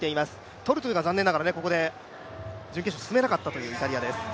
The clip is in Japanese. トルトゥが残念ながらここで準決勝に進めなかったというイタリアです。